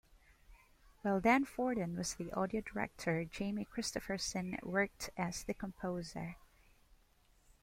While Dan Forden was the audio director, Jamie Christopherson worked as the composer.